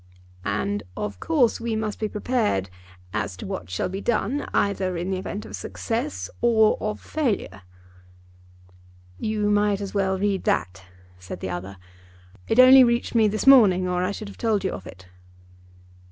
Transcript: "And of course we must be prepared as to what shall be done either in the event of success or of failure." "You might as well read that," said the other. "It only reached me this morning, or I should have told you of it."